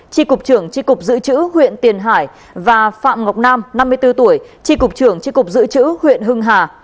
tri cục trưởng tri cục giữ chữ huyện tiền hải và phạm ngọc nam năm mươi bốn tuổi tri cục trưởng tri cục dự trữ huyện hưng hà